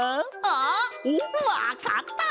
あっわかった！